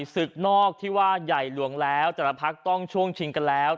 ศึกนอกที่ว่าใหญ่หลวงแล้วแต่ละพักต้องช่วงชิงกันแล้ว